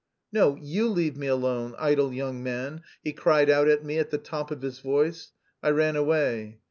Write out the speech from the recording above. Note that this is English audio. "No, you leave me alone, idle young man," he cried out at me at the top of his voice. I ran away.